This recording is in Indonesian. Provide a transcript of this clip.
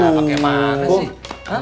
pakai mana sih